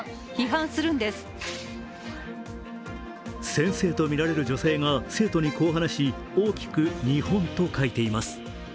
先生とみられる女性が生徒にこう話し大きく「日本」と書いています。